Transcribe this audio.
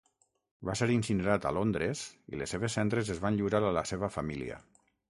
Va ser incinerat a Londres i les seves cendres es van lliurar a la seva família.